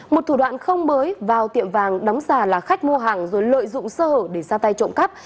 một thủ đoạn không mới vào tiệm vàng đóng giả là khách mua hàng rồi lợi dụng sơ hở để ra tay trộm cắp